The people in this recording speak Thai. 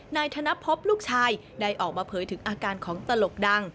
นายธนภพลูกชายได้ออกมาเผยถึงอาการของตลกดัง